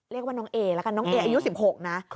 เรียกว่าน้องเอละกันน้องเออายุ๑๖นะ